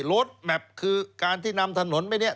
รถแมพคือการที่นำถนนไปเนี่ย